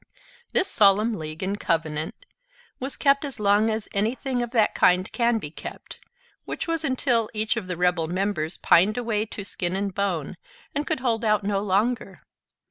This solemn league and covenant was kept as long as anything of that kind can be kept, which was until each of the rebel members pined away to skin and bone, and could hold out no longer.